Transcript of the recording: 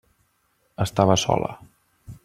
Estava sola.